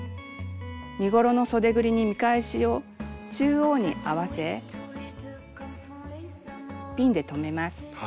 身ごろのそでぐりに見返しを中央に合わせピンで留めます。